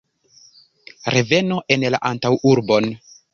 Reveno en la antaŭurbon.